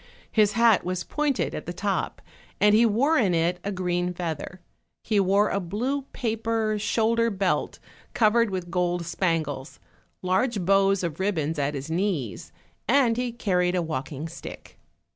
His hat was pointed at the top, and he wore in it a green feather; he wore a blue paper shoulder belt covered with gold spangles, large bows of ribbons at his knees, and he curried a walking stick.